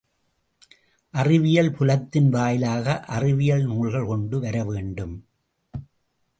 அறிவியல் புலத்தின் வாயிலாக அறிவியல் நூல்கள் கொண்டு வரவேண்டும்.